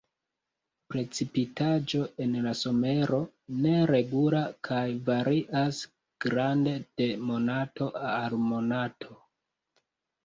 Precipitaĵo en la somero neregula kaj varias grande de monato al monato.